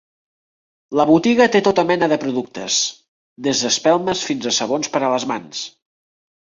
La botiga té tota mena de productes: des d'espelmes fins a sabons per a les mans.